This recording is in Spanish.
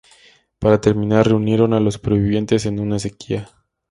Para terminar, reunieron a los supervivientes en una acequia.